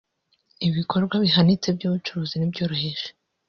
ibikorwa bihanitse by’ubucuruzi n’ibyoroheje